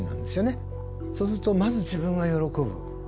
そうするとまず自分が喜ぶ。